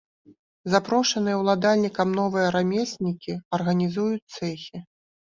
Запрошаныя ўладальнікам новыя рамеснікі арганізуюць цэхі.